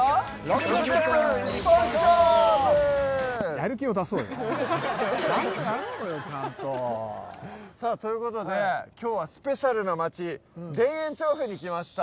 やる気を出そうよ。ということで今日はスペシャルな街田園調布に来ました。